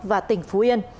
và tỉnh phú yên